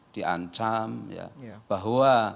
diancam ya bahwa